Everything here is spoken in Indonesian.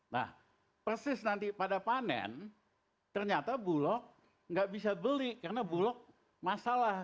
nah persis nanti pada panen ternyata bulog nggak bisa beli karena bulog masalah